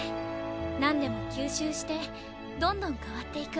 何でも吸収してどんどん変わっていく。